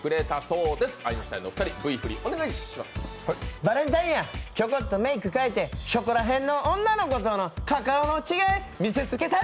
バレンタインや、チョコッとメイク変えてショコラ辺の女の子とのカカオの違い見せつけたり！